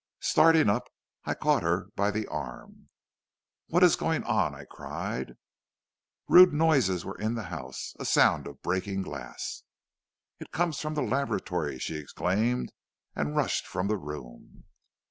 Starting up, I caught her by the arm. "'What is going on?' I cried. "Rude noises were in the house. A sound of breaking glass. "'It comes from the laboratory,' she exclaimed, and rushed from the room.